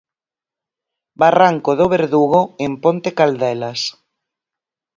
Barranco do Verdugo, en Ponte Caldelas.